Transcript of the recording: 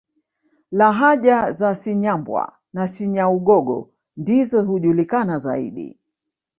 Lahaja za Cinyambwa na Cinyaugogo ndizo hujulikana zaidi